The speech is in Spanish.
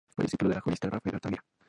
Fue discípulo del jurista Rafael Altamira.